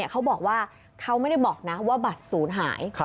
เขาบอกว่าเขาไม่ได้บอกนะว่าบัตรศูนย์หาย